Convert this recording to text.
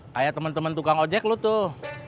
kayak temen temen tukang ojek lo tuh